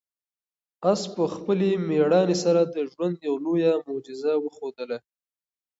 آس په خپلې مېړانې سره د ژوند یوه لویه معجزه وښودله.